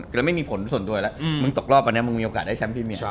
ก็จะเศร้ามึงมีโอกาสได้แชมป์พรีเมอร์